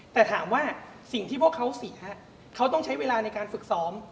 แต่ถามว่าสิ่งที่พวกเขาเสียเขาต้องใช้เวลาในการฝึกซ้อม